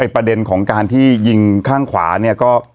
ประเด็นของการที่ยิงข้างขวาเนี่ยก็